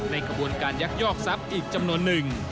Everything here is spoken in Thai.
ขบวนการยักยอกทรัพย์อีกจำนวนหนึ่ง